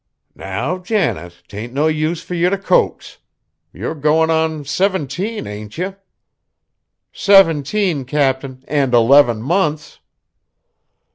"Now, Janet, 'tain't no use fur ye t' coax. Ye're goin' on seventeen, ain't ye?" "Seventeen, Cap'n, and eleven months!"